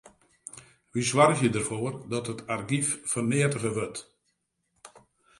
Wy soargje derfoar dat it argyf ferneatige wurdt.